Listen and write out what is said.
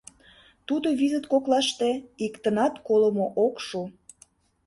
Тудо визыт коклаште иктынат колымо ок шу.